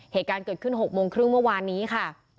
เหตุการณ์เกิดขึ้น๖โมงครึ่งเมื่อวานนี้ค่ะ